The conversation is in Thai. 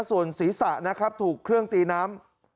ส่วนศีรษะนะครับถูกเครื่องตีน้ำ